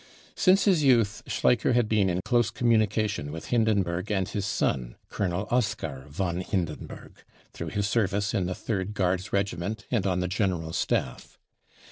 Since his youth Schleicher had been in close communication with r Hindenburg and his son, Colonel Oskar von Hindenburg, through his service in the Third Guards Regiment and on the General Staff.